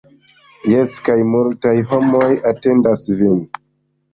Jes kaj multaj homoj atendas vin